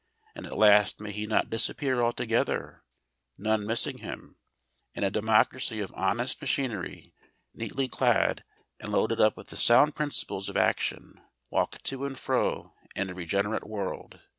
And at last may he not disappear altogether, none missing him, and a democracy of honest machinery, neatly clad and loaded up with sound principles of action, walk to and fro in a regenerate world?